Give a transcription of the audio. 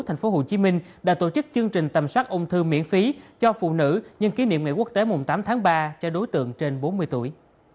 thành phố hồ chí minh đã tổ chức chương trình tầm soát ông thư miễn phí cho phụ nữ nhân kỷ niệm ngày quốc tế mùng tám tháng ba cho đối tượng trên bốn mươi tuổi